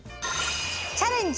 「チャレンジ！